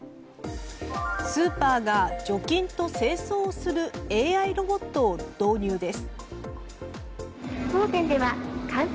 スーパーが除菌と清掃するＡＩロボットを導入です。